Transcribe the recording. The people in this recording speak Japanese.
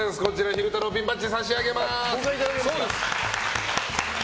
昼太郎ピンバッジ差し上げます。